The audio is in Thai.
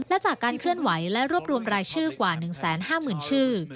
และจากการเคลื่อนไหวและรวบรวมรายชื่อกว่า๑๕๐๐๐ชื่อ